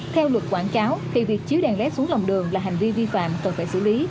theo luật quảng cáo thì việc chiếu đèn led xuống lòng đường là hành vi vi phạm cần phải xử lý